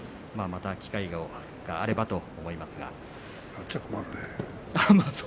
また機会があればと思います。